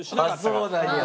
ああそうなんや。